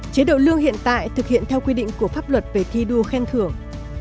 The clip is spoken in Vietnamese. chế độ lương hiện tại thực hiện theo quy định của pháp luật về thi đua khen thưởng